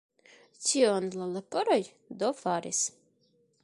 Tion la leporoj do faris.